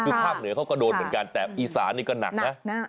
คือภาคเหนือเขาก็โดนเหมือนกันแต่อีสานนี่ก็หนักนะ